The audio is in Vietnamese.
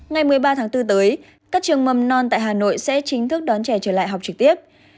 ngày một mươi ba tháng bốn tới các trường mầm non tại hà nội sẽ chính thức đón trẻ trở lại học trực tiếp